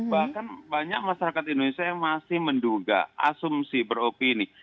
bahkan banyak masyarakat indonesia yang masih menduga asumsi beropini